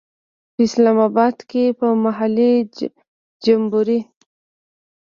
په اسلام آباد کې به محلي جمبوري.